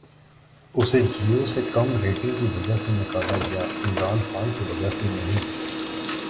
اسے جیو سے کم ریٹننگ کی وجہ سے نکالا گیا، عمران خان کی وجہ سے نہیں